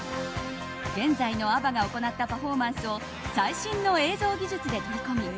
現在のＡＢＢＡが行ったパフォーマンスを最新の映像技術で取り込み